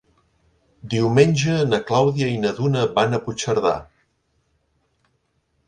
Diumenge na Clàudia i na Duna van a Puigcerdà.